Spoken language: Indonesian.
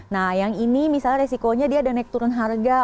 nah yang ini misalnya resikonya dia ada naik turun harga